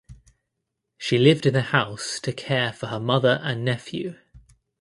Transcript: She lived in the house to care for her mother and nephew.